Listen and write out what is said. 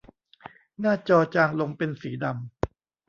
หน้าจอจางลงเป็นสีดำ